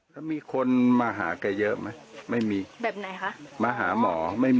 ทั้งหมู่บ้าน